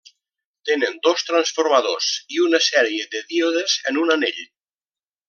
Tenen dos transformadors i una sèrie de díodes en un anell.